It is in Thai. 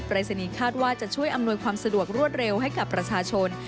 รายศนีย์คาดว่าจะช่วยอำนวยความสะดวกรวดเร็วให้กับประชาชน